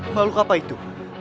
malu apa itu